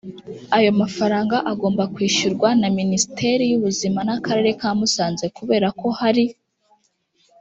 ayo mafaranga agomba kwishyurwa na minisiteri y ubuzima n akarere ka musanze kubera ko hari